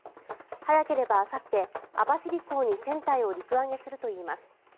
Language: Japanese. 早ければあさって、網走港に船体を陸揚げするといいます。